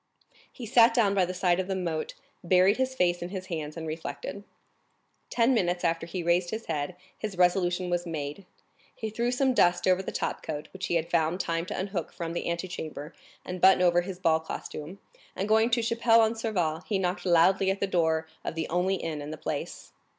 He sat down by the side of the moat, buried his face in his hands and reflected. Ten minutes after he raised his head; his resolution was made. He threw some dust over the topcoat, which he had found time to unhook from the antechamber and button over his ball costume, and going to Chapelle en Serval he knocked loudly at the door of the only inn in the place.